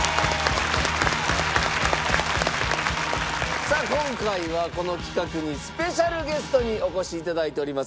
さあ今回はこの企画にスペシャルゲストにお越し頂いております。